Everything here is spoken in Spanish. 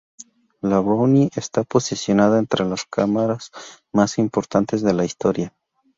La Brownie está posicionada entre las cámaras más importantes de la historia.